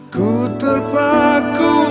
ku terpaku aku meminta